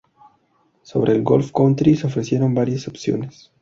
Sobre el Golf Country se ofrecieron varias opciones.